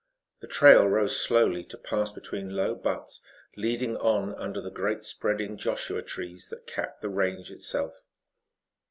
The trail rose slowly to pass between low buttes, leading on under the great spreading Joshua trees that capped the range itself.